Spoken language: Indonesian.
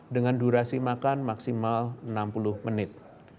dengan durasi makan maksimal enam puluh menit